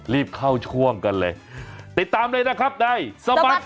รีบเข้าช่วงกันเลยติดตามเลยนะครับในสบัด